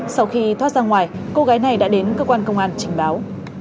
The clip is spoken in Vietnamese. sau khi thoát ra ngoài cô gái này đã đến cơ quan công an trình báo